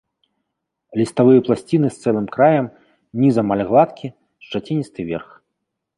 Ліставыя пласціны з цэлым краем, ніз амаль гладкі, шчаціністы верх.